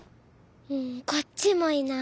こっちもいない」。